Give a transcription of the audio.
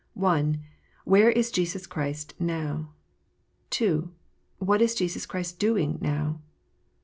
I. Where is Jesus Clirist now ? II. What is Jesus Christ doing now